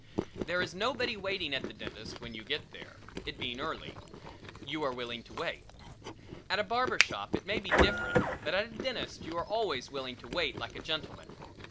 There is nobody waiting at the dentist's when you get there, it being early. You are willing to wait. At a barber shop it may be different but at a dentist's you are always willing to wait, like a gentleman.